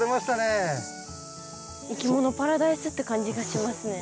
いきものパラダイスって感じがしますね。